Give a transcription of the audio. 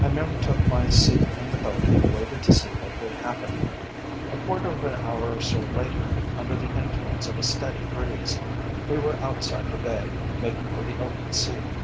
I merely took my seat in the boat and waited to see what would happen. A quarter of an hour or so later, under the influence of a steady breeze, we were outside the Bay, making for the open sea.